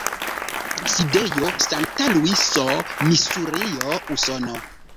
Sidejo: Sankta Luiso, Misurio, Usono.